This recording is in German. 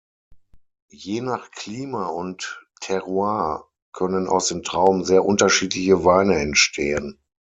Je nach Klima und Terroir können aus den Trauben sehr unterschiedliche Weine entstehen.